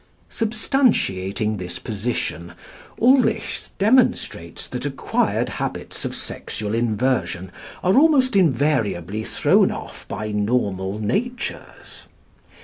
Substantiating this position, Ulrichs demonstrates that acquired habits of sexual inversion are almost invariably thrown off by normal natures.